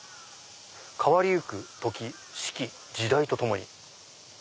「変わりゆく時四季時代とともに」。